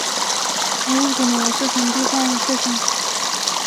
该物种的模式产地在浙江。